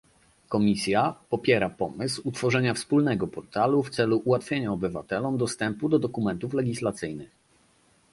Komisja popiera pomysł utworzenia wspólnego portalu w celu ułatwienia obywatelom dostępu do dokumentów legislacyjnych